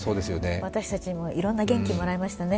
私たちにもいろんな元気もらいましたね。